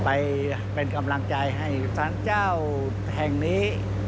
ไปเป็นกำลังใจให้สารเจ้าแห่งนี้